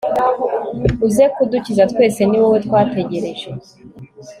uze kudukiza twese ni wowe twategereje